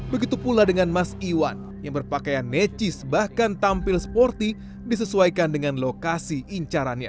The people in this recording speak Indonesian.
begitu pula dengan mas iwan yang berpakaian necis bahkan tampil sporty disesuaikan dengan lokasi incarannya